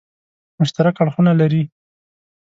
مشترک اړخونه لري.